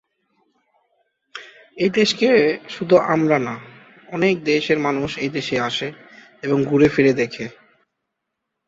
সাধারণভাবে এই ভাষার কথ্য রূপে অসমীয়া শব্দের প্রচলন ছিল বলে অসমের মানুষ সহজেই এই ভাষা বুঝতে পারতেন।